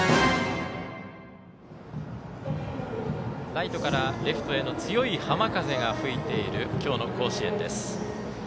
ライトからレフトへの強い浜風が吹いている今日の甲子園です。